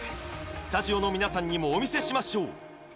スタジオの皆さんにもお見せしましょう